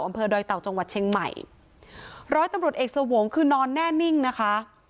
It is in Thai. อำเภอดอยเต่าจังหวัดเชียงใหม่ร้อยตำรวจเอกสวงศ์คือนอนแน่นิ่งนะคะ